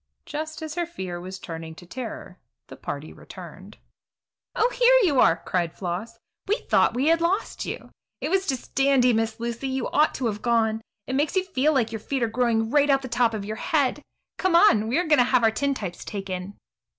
Just as her fear was turning to terror the party returned. "Oh, here you are!" cried Floss. "We thought we had lost you. It was just dandy, Miss Lucy; you ought to have gone. It makes you feel like your feet are growing right out of the top of your head. Come on; we are going to have our tintypes taken."